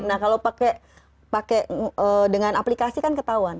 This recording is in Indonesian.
nah kalau pakai dengan aplikasi kan ketahuan